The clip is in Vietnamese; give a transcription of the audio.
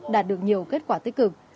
đạt được nhiều kết quả tích cực